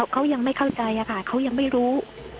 เขายังไม่เข้าใจค่ะเขายังไม่รู้